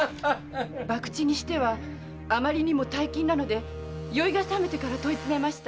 博打にしてはあまりにも大金なので酔いが覚めてから問いつめました。